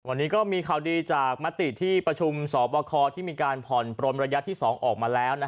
วันนี้ก็มีข่าวดีจากมติที่ประชุมสอบคอที่มีการผ่อนปลนระยะที่๒ออกมาแล้ว